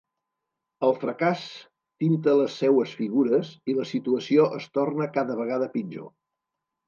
El fracàs tinta les seues figures i la situació es torna cada vegada pitjor.